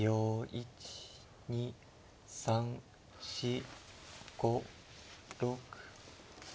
１２３４５６。